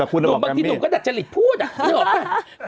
หนุ่มบางทีนุ่มก็แต่จริงพูดอ่ะ